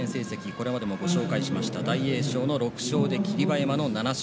これまでもご紹介しました大栄翔の６勝で霧馬山の７勝。